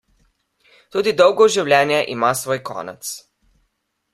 Tudi dolgo življenje ima svoj konec.